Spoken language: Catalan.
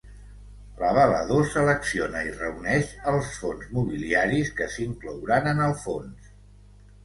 L'avalador selecciona i reuneix els fons mobiliaris que s'inclouran en el fons.